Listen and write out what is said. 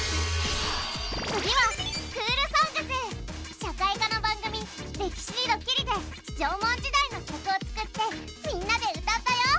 次は社会科の番組「歴史にドキリ」で縄文時代の曲を作ってみんなで歌ったよ。